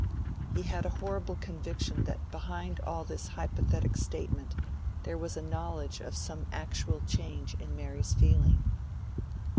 He had a horrible conviction that behind all this hypothetic statement there was a knowledge of some actual change in Mary's feeling.